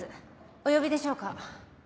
お呼びでしょうか？